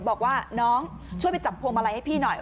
บอกว่าน้องช่วยไปจับพวงมาลัยให้พี่หน่อย